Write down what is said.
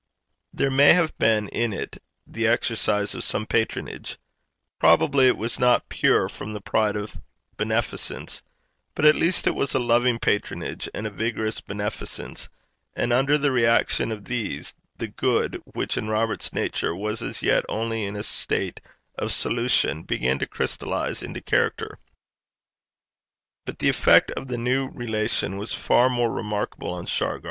There may have been in it the exercise of some patronage; probably it was not pure from the pride of beneficence; but at least it was a loving patronage and a vigorous beneficence; and, under the reaction of these, the good which in Robert's nature was as yet only in a state of solution, began to crystallize into character. But the effect of the new relation was far more remarkable on Shargar.